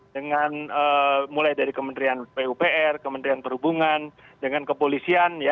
dengan mulai dari kementerian pupr kementerian perhubungan dengan kepolisian